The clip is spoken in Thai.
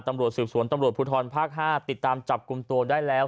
ตำรวจสืบสวนตำรวจภูทรภาค๕ติดตามจับกลุ่มตัวได้แล้ว